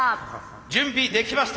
「準備できました」。